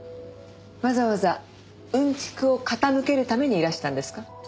わざわざ薀蓄を傾けるためにいらしたんですか？